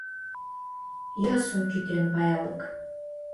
Йосым кӱтен — ваялык